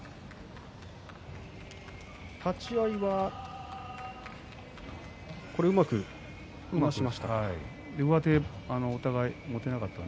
立ち合いはうまく、いなしました。